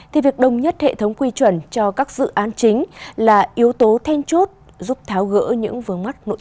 thì việc đồng nhất hệ thống quy chuẩn cho các dự án chính là yếu tố then chốt giúp tháo gỡ những vướng mắt nội dung